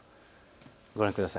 ご覧ください。